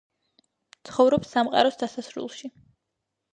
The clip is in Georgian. ცხოვრობს სამყაროს დასასრულში.